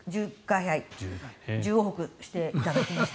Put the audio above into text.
１０往復していただきました。